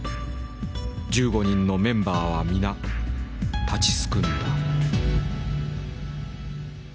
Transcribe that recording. １５人のメンバーは皆立ちすくんだ。